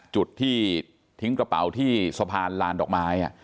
จุดที่ทิ้งกระเป๋าที่สะพานลานดอกไม้